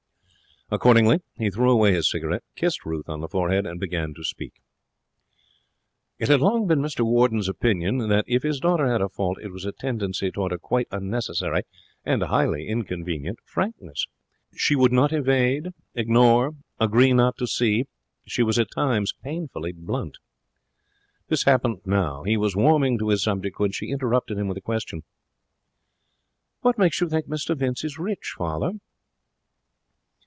Accordingly, he threw away his cigarette, kissed Ruth on the forehead, and began to speak. It had long been Mr Warden's opinion that, if his daughter had a fault, it was a tendency towards a quite unnecessary and highly inconvenient frankness. She had not that tact which he would have liked a daughter of his to possess. She would not evade, ignore, agree not to see. She was at times painfully blunt. This happened now. He was warming to his subject when she interrupted him with a question. 'What makes you think Mr Vince is rich, father?'